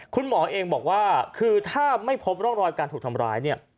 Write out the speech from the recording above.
คุณหมอเองบอกว่าคือถ้าไม่พบร่องรอยการถูกทำร้ายเนี่ย